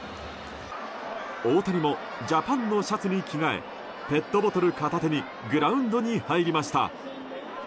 大谷もジャパンのシャツに着替えペットボトル片手にグラウンドに入りました。